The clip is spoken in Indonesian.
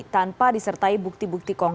tanpa disertai bukti bukti